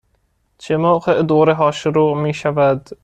چه موقع دوره ها شروع می شود؟